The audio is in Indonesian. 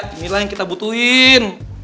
inilah yang kita butuhin